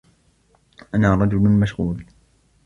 أنا رجل مشغول.